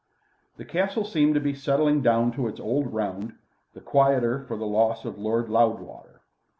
The Castle seemed to be settling down to its old round, the quieter for the loss of Lord Loudwater.